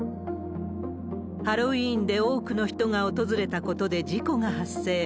ハロウィーンで多くの人が訪れたことで事故が発生。